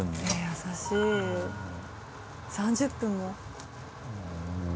優しい３０分も！